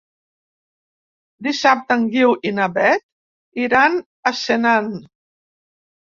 Dissabte en Guiu i na Beth iran a Senan.